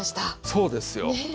そうですよ。ねえ。